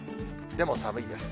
でも寒いです。